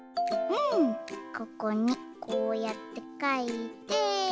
ここにこうやってかいて。